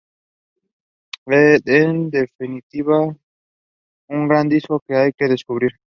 En definitiva, un gran disco que hay que descubrir.